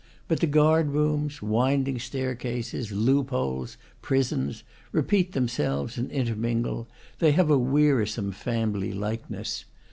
But the guard rooms, winding staircases, loop holes, prisons, repeat themselves and intermingle; they have a wearisome family likeness.